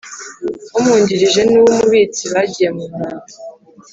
Umwungirije N Uw Umubitsi bagiye muntama